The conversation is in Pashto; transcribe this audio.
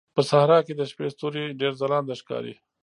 په صحراء کې د شپې ستوري ډېر ځلانده ښکاري.